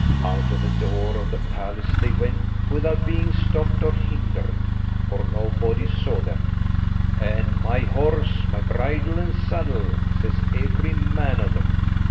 Out of the door of the palace they went, without being stopped or hindered, for nobody saw them, and, "My horse, my bridle, and saddle!" says every man of them.